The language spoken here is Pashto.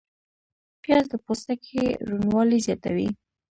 پیاز د پوستکي روڼوالی زیاتوي